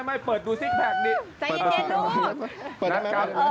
ไม่เปิดดูซิกแพคนี้